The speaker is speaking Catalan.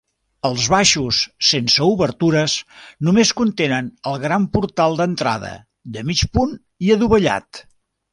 Els baixos, sense obertures, només contenen el gran portal d'entrada, de mig punt i adovellat.